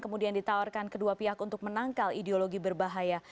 kemudian ditawarkan kedua pihak untuk menangkal ideologi berbahaya